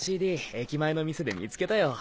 駅前の店で見つけたよ。